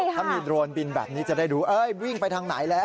ถ้ามีโดรนบินแบบนี้จะได้ดูวิ่งไปทางไหนแล้ว